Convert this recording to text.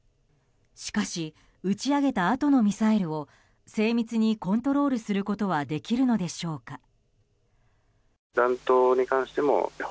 しかし打ち上げたあとのミサイルを精密にコントロールすることはできるのでしょうか。